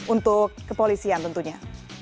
untuk kepolisian tentunya